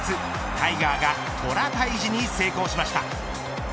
タイガーがトラ退治に成功しました。